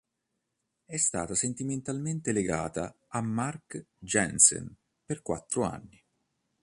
È stata sentimentalmente legata a Mark Jansen per quattro anni.